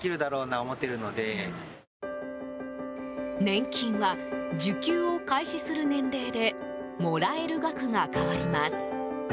年金は受給を開始する年齢でもらえる額が変わります。